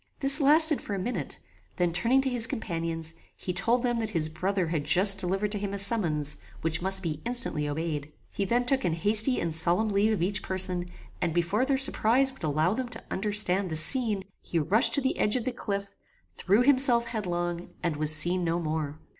This lasted for a minute; then turning to his companions, he told them that his brother had just delivered to him a summons, which must be instantly obeyed. He then took an hasty and solemn leave of each person, and, before their surprize would allow them to understand the scene, he rushed to the edge of the cliff, threw himself headlong, and was seen no more.